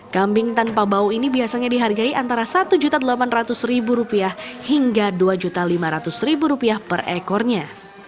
kambing tanpa bau ini biasanya dihargai antara satu delapan ratus rupiah hingga dua lima ratus rupiah per ekornya